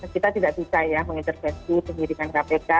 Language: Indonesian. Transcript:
kita tidak bisa ya mengintervensi penyidikan kpk